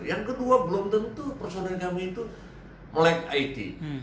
yang kedua belum tentu personil kami itu melek id